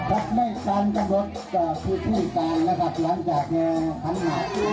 รับให้ชาญตรงรสซื้อช่วยกันข้างแล้วกันหลังจากอะไร